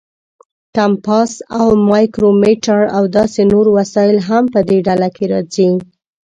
کمپاس او مایکرومیټر او داسې نور وسایل هم په دې ډله کې راځي.